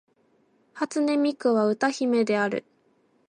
初音ミクは歌姫である